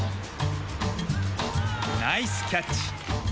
ナイスキャッチ！